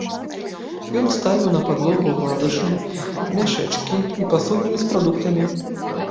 Ён ставіў на падлогу гладышы, мяшэчкі і пасудзіны з прадуктамі.